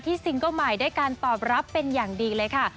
ซิงเกิ้ลใหม่ด้วยการตอบรับเป็นอย่างดีเลยค่ะ